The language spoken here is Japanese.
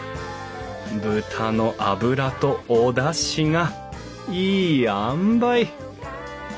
豚の脂とおだしがいいあんばい！